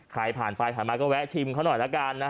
ใครผ่านไปผ่านมาก็แวะชิมเขาหน่อยละกันนะ